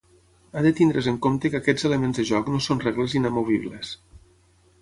Ha de tenir-se en compte que aquests elements de joc no són regles inamovibles.